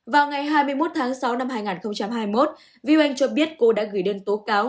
vào ngày hai mươi một tháng sáu năm hai nghìn hai mươi một vi oanh cho biết cô đã gửi đơn tố cáo